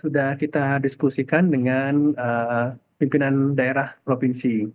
sudah kita diskusikan dengan pimpinan daerah provinsi